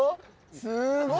すごい。